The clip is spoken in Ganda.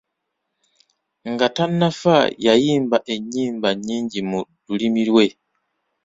Nga tannafa yayimba ennyimba nnyingi mu lulimi lwe.